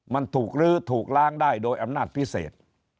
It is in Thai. มันถูกลื้อถูกล้างได้โดยอำนาจพิเศษ